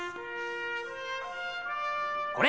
これ！